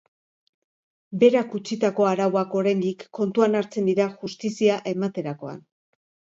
Berak utzitako arauak oraindik kontuan hartzen dira justizia ematerakoan.